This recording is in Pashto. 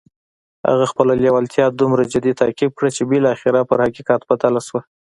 هغه خپله لېوالتیا دومره جدي تعقيب کړه چې بالاخره پر حقيقت بدله شوه.